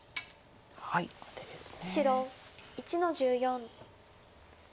アテですね。